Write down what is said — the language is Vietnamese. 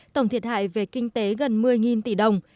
tổng thiệt hại về kinh tế gần một mươi tỷ đồng